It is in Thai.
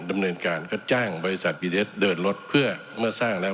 ดำเนินการก็จ้างบริษัทบีเทสเดินรถเพื่อเมื่อสร้างแล้ว